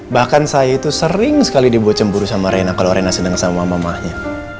bahkan saya itu sering sekali dibuat cemburu sama reina kalau reina senang sama mamahnya